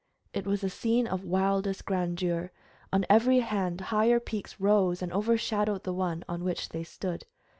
It was a scene of wildest grandeur. On every hand higher peaks rose and overshadowed the one on which they stood.